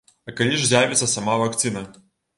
А калі ж з'явіцца сама вакцына?